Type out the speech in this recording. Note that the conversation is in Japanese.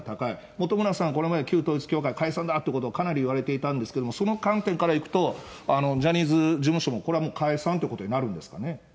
本村さん、これまで旧統一教会、解散だってことをかなり言われてたんですけども、その観点からいくと、ジャニーズ事務所も、これはもう解散ってことになるんですかね。